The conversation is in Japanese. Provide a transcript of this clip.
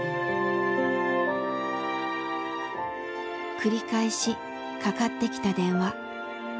繰り返しかかってきた電話。